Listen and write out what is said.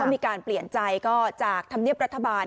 มีการเปลี่ยนใจก็จากธรรมเนียบรัฐบาล